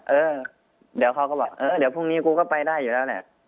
เออเดี๋ยวเขาก็บอกเออเดี๋ยวพรุ่งนี้กูก็ไปได้อยู่แล้วแหละ